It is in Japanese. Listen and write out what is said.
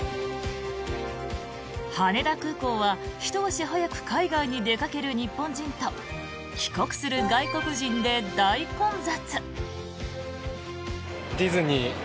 羽田空港は、ひと足早く海外に出かける日本人と帰国する外国人で大混雑。